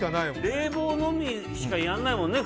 冷房のみしかやらないもんね